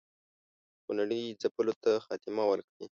خونړي ځپلو ته خاتمه ورکړي.